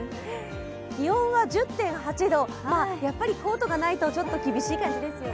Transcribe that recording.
気温は１０．８度、やっぱりコートがないとちょっと厳しい感じですよね。